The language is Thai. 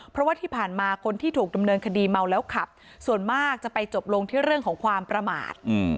เพราะว่าที่ผ่านมาคนที่ถูกดำเนินคดีเมาแล้วขับส่วนมากจะไปจบลงที่เรื่องของความประมาท